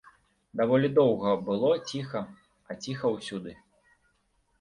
Даволі доўга было ціха а ціха ўсюды.